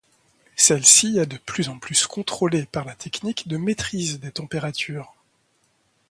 Celle-ci est de plus en plus contrôlée par la technique de maîtrise des températures.